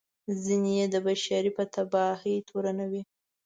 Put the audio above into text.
ځینې یې د بشر په تباهي تورنوي.